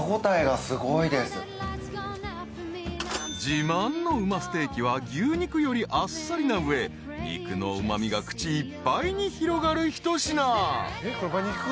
［自慢の馬ステーキは牛肉よりあっさりな上肉のうま味が口いっぱいに広がる一品］